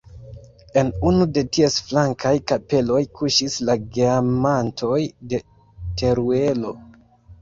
En unu de ties flankaj kapeloj kuŝis la Geamantoj de Teruelo.